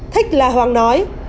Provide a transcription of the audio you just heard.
thích là hoàng nói